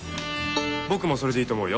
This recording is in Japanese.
僕もそれでいいと思うよ。